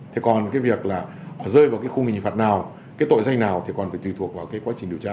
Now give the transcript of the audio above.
thế còn cái việc là rơi vào cái khung hình phạt nào cái tội danh nào thì còn phải tùy thuộc vào cái quá trình điều tra